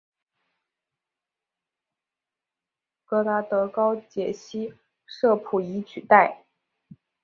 戈达德高解析摄谱仪取代。